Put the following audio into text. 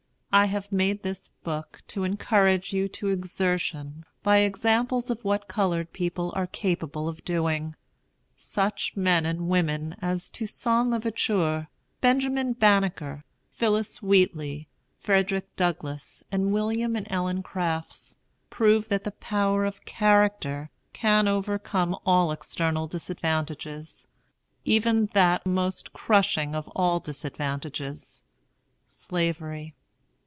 I have made this book to encourage you to exertion by examples of what colored people are capable of doing. Such men and women as Toussaint l'Ouverture, Benjamin Banneker, Phillis Wheatley, Frederick Douglass, and William and Ellen Crafts, prove that the power of character can overcome all external disadvantages, even that most crushing of all disadvantages, Slavery.